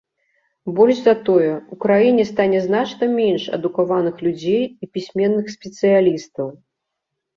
Больш за тое, у краіне стане значна менш адукаваных людзей і пісьменных спецыялістаў.